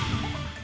di sejenak berikut